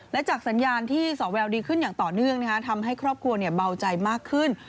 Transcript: และจากสัญญาณที่สอแววดีขึ้นอย่างต่อเนื่องทำให้ครอบครัวเบาใจมากขึ้น